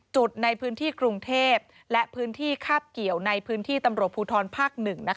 จุดในพื้นที่กรุงเทพและพื้นที่คาบเกี่ยวในพื้นที่ตำรวจภูทรภาค๑